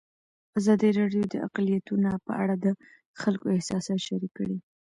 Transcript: ازادي راډیو د اقلیتونه په اړه د خلکو احساسات شریک کړي.